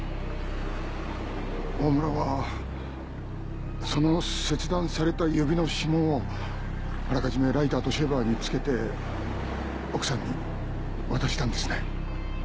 オオムラはその切断された指の指紋をあらかじめライターとシェーバーに付けて奥さんに渡したんですね？